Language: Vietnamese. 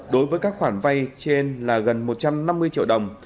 đối với các khoản vay trên là gần một trăm năm mươi triệu đồng